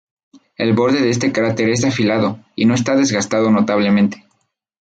El borde de este cráter es afilado y no está desgastado notablemente.